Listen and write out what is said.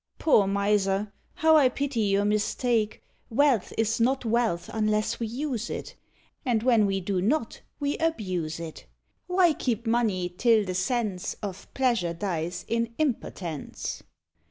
Poor Miser! how I pity your mistake! Wealth is not wealth unless we use it, And when we do not we abuse it. Why keep money till the sense Of pleasure dies in impotence?